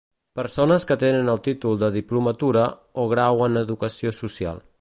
Persones que tenen el títol de diplomatura o grau en educació social.